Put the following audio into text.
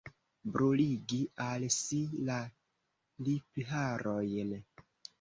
Bruligi al si la lipharojn.